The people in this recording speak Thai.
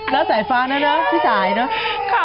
แล้วสายฟ้านะเนอะพี่สายเนอะ